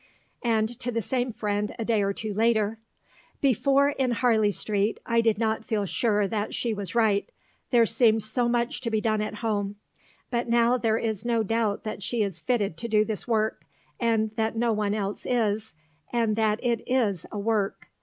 And to the same friend a day or two later: Before, in Harley Street, I did not feel sure that she was right, there seemed so much to be done at home; but now there is no doubt that she is fitted to do this work, and that no one else is, and that it is a work.